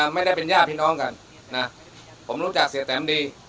ไม่ได้เป็นญาติพี่น้องกันนะผมรู้จักเสียแตมดี